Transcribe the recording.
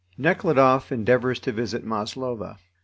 NEKHLUDOFF ENDEAVOURS TO VISIT MASLOVA.